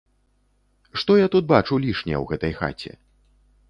Што я тут бачу лішне ў гэтай хаце?